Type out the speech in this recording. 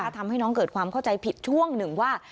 ทำให้น้องเกิดความเข้าใจผิดช่วงหนึ่งว่า